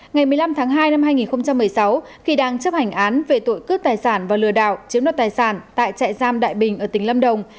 ngày một mươi năm tháng hai năm hai nghìn một mươi sáu khi đang chấp hành án về tội cướp tài sản và lừa đảo chiếm đoạt tài sản tại trại giam đại bình ở tỉnh lâm đồng